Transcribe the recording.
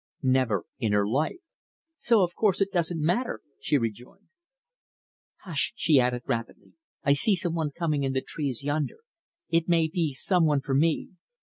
"Never in her life." "So of course it doesn't matter," she rejoined. "Hush!" she added rapidly. "I see some one coming in the trees yonder. It may be some one for me.